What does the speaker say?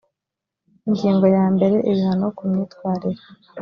ingingo ya mbere ibihano kumyitwarire